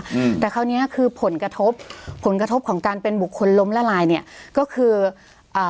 อืมแต่คราวเนี้ยคือผลกระทบผลกระทบของการเป็นบุคคลล้มละลายเนี้ยก็คืออ่า